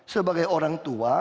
sebagai orang tua